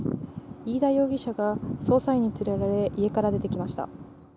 飯田容疑者が捜査員に連れられ家から出てきました。